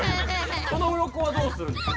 そのうろこはどうするんですか？